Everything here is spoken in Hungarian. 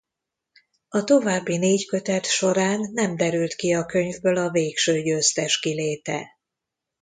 A további négy kötet során nem derült ki a könyvből a végső győztes kiléte.